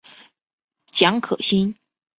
蒋可心。